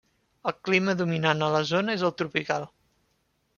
El clima dominant a la zona és el tropical.